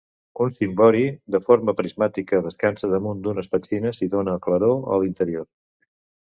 Un cimbori de forma prismàtica descansa damunt d'unes petxines i dóna claror a l'interior.